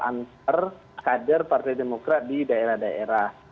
antar kader partai demokrat di daerah daerah